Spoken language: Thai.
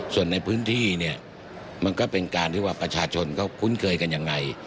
ส่วนในพื้นที่เนี่ยมันก็เป็นการที่ว่าประชาชนเขาคุ้นเคยกันยังไง